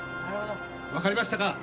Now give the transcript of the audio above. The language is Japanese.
分かりましたか。